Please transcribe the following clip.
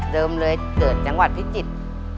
เริ่มเลยเกิดจังหวัดพิจิตร